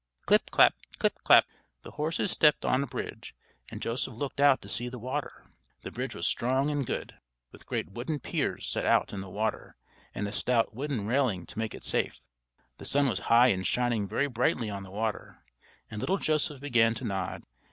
Clip, clap! clip, clap! The horses stepped on a bridge, and Joseph looked out to see the water. The bridge was strong and good, with great wooden piers set out in the water and a stout wooden railing to make it safe. The sun was high and shining very brightly on the water, and little Joseph began to nod.